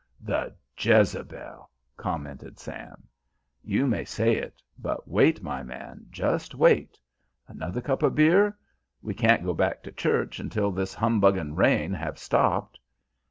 "The jezebel!" commented Sam. "You may say it; but wait, my man, just wait. Another cup of beer? We can't go back to church until this humbugging rain have stopped."